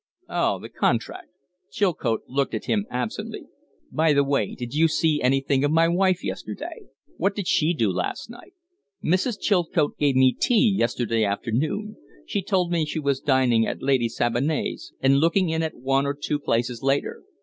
"Oh, the contract!" Chilcote looked about him absently. "By the way, did you see anything of my wife yesterday? What did she do last night?" "Mrs. Chilcote gave me tea yesterday afternoon. She told me she was dining at Lady Sabinet's, and looking in at one or two places later."